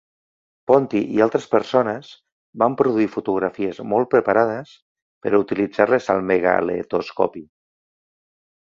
Ponti i altres persones van produir fotografies molt preparades per utilitzar-les al megaletoscopi.